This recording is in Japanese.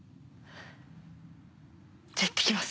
じゃいってきます。